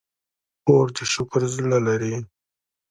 خور د شکر زړه لري.